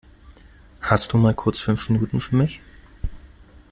Hast du mal kurz fünf Minuten für mich?